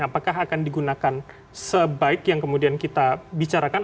apakah akan digunakan sebaik yang kemudian kita bicarakan